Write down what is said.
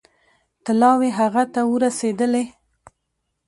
طلاوې هغه ته ورسېدلې.